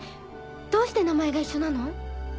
どうして名前が一緒なの？